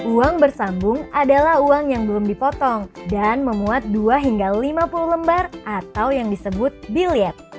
uang bersambung adalah uang yang belum dipotong dan memuat dua hingga lima puluh lembar atau yang disebut biliet